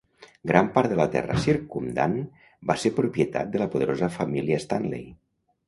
Gran part de la terra circumdant va ser propietat de la poderosa família Stanley.